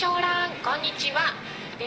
「こんにちは」。